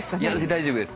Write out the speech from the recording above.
大丈夫です。